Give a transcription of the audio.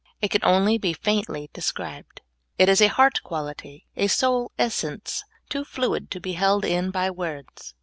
It can only be faintly described. It is a heart quality, a soul essence, too fluid to be held in by words.